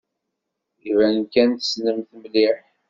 Iban kan tessnemt-t mliḥ.